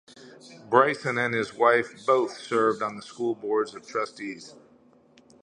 Bryson and his wife both served on the school's Board of Trustees.